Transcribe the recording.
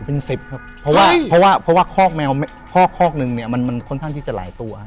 เลยเป็นสิบครับเพราะว่าคอกแมวคอกนึงมันค่อนข้างที่จะหลายตัว